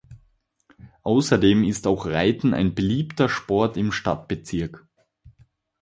Außerdem ist auch Reiten ein beliebter Sport im Stadtbezirk.